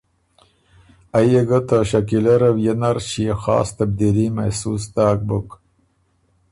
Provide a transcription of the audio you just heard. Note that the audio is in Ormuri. ائ يې ګه ته شکیلۀ رؤیۀ نر ݭيې خاص تبدیلي محسوس داک بُک